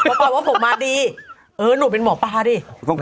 ปรากฏว่าผมมาดีเออหนูเป็นหมอปลาดิ